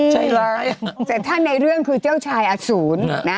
ใจร้ายแต่ถ้าในเรื่องคือเจ้าชายอสูรนะ